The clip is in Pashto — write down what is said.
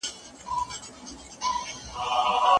ستونزي د انسان په ژوند کي یو فرصت دی.